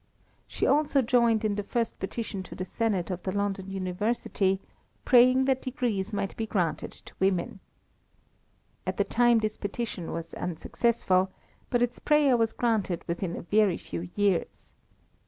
She also joined in the first petition to the Senate of the London University, praying that degrees might be granted to women. At the time this petition was unsuccessful, but its prayer was granted within a very few years.